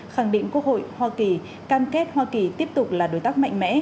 khẳng định quốc hội hoa kỳ cam kết hoa kỳ tiếp tục là đối tác mạnh mẽ